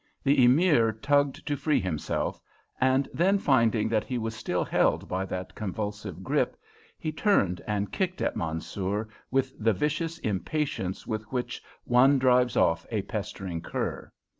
The Emir tugged to free himself, and then, finding that he was still held by that convulsive grip, he turned and kicked at Mansoor with the vicious impatience with which one drives off a pestering cur.